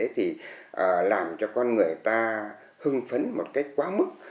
thì làm cho con người ta hưng phấn một cách quá mức